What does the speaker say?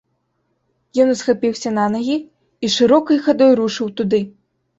Ён усхапіўся на ногі і шырокай хадой рушыў туды.